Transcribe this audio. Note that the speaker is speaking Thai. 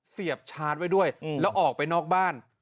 เสียบชาร์จไว้ด้วยแล้วออกไปนอกบ้าน